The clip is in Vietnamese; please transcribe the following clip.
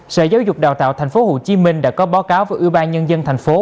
sở giáo dục đào tạo tp hcm đã có báo cáo với ưu ba nhân dân thành phố